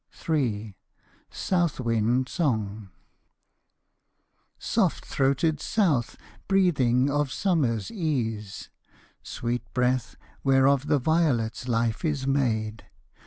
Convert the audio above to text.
III. SOUTH WIND SONG. Soft throated South, breathing of summer's ease (Sweet breath, whereof the violet's life is made!)